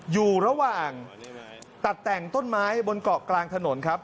อยู่ระหว่างตัดแต่งต้นไม้บนเกาะกลางถนนครับ